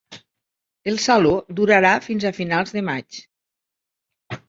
El Saló durarà fins a finals de maig.